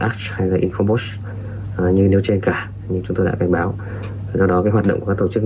app hay là informbot như nếu trên cả như chúng tôi đã cảnh báo do đó cái hoạt động của các tổ chức